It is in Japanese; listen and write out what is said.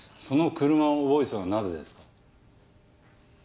その車を覚えていたのはなぜですか？